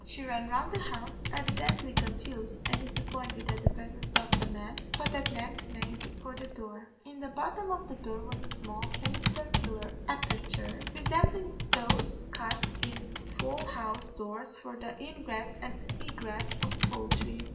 She ran round the house, evidently confused and disappointed at the presence of the men, but at length made for the door. In the bottom of the door was a small, semicircular aperture, resembling those cut in fowl house doors for the ingress and egress of poultry.